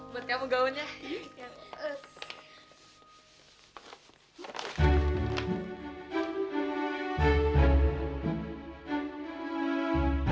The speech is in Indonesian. buat kamu gaunnya